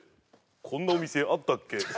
こんなお店あったっけ